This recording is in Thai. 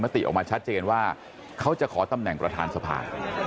ติออกมาชัดเจนว่าเขาจะขอตำแหน่งประธานสภา